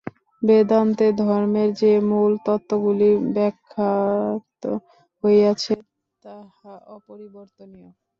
বেদান্তে ধর্মের যে মূল তত্ত্বগুলি ব্যাখ্যাত হইয়াছে, তাহা অপরিবর্তনীয়।